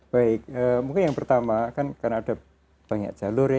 baik mungkin yang pertama kan karena ada banyak jalur ya